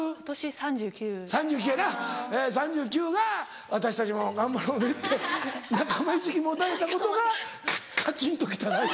３９歳が「私たちも頑張ろうね」って仲間意識持たれたことがカチンと来たらしい。